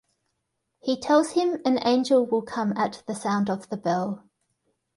He tells him an angel will come at the sound of the bell.